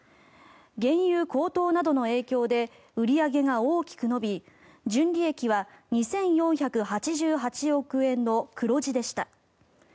原油高騰などの影響で売り上げが大きく伸び純利益は２４８８億円の黒字でした。